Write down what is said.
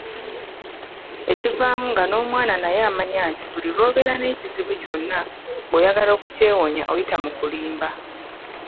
Ekivaamu nga n'omwana naye amanya nti buli lwobeera n'ekizibu kyonna ng'oyagala kukyewonya oyita mu kulimba